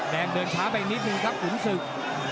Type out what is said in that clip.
แดงเดินช้าแบบนี้ดูครับขุนศึก